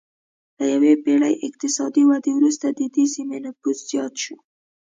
له یوې پېړۍ اقتصادي ودې وروسته د دې سیمې نفوس زیات شو